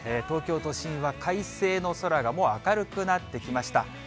東京都心は快晴の空がもう明るくなってきました。